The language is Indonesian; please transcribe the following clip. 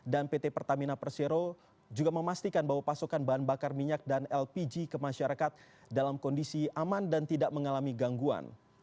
dan pt pertamina persero juga memastikan bahwa pasokan bahan bakar minyak dan lpg ke masyarakat dalam kondisi aman dan tidak mengalami gangguan